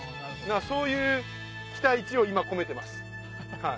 そういう期待値を今込めてます。